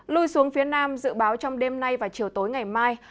lui xuống phía nam dự báo trong đêm nay và chiều tối ngày mai